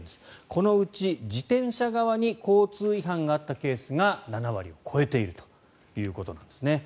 このうち自転車側に交通違反があったケースが７割を超えているということなんですね。